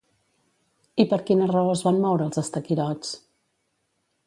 I per quina raó es van moure els estaquirots?